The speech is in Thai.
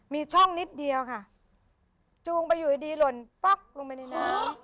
มีช่องนิดเดียวค่ะจูงไปอยู่ดีหล่นป๊อกลงไปในน้ำ